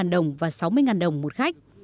bảy mươi năm đồng và sáu mươi đồng một khách